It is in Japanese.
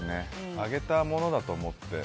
あげたものだと思って。